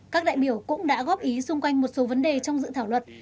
các đại biểu cũng đã góp ý xung quanh một số vấn đề trong dự thảo luật